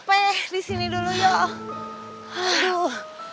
capek disini dulu yuk